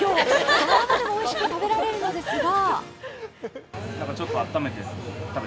そのままでもおいしく食べられるのですが。